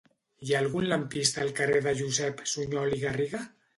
Hi ha algun lampista al carrer de Josep Sunyol i Garriga?